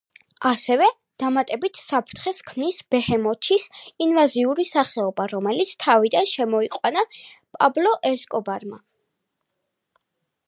ასევე დამატებით საფრთხეს ქმნის ბეჰემოთის ინვაზიური სახეობა, რომელიც თავიდან შემოიყვანა პაბლო ესკობარმა.